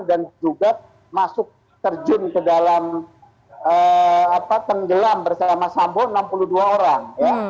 dan juga masuk terjun ke dalam tenggelam bersama sambo enam puluh dua orang